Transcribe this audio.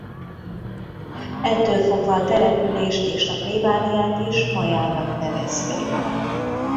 Ettől fogva a települést és a plébániát is Majának nevezték.